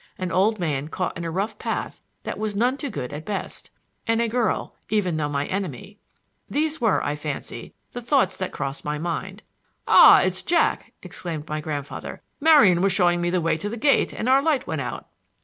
An old man caught in a rough path that was none too good at best! And a girl, even though my enemy! These were, I fancy, the thoughts that crossed my mind. "Ah, it's Jack!" exclaimed my grandfather. "Marian was showing me the way to the gate and our light went out."